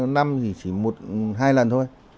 năm thì chỉ một hai lần thôi